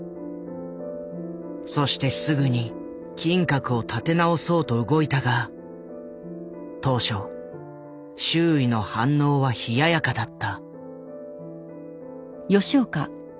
そしてすぐに金閣を建て直そうと動いたが当初周囲の反応は冷ややかだった。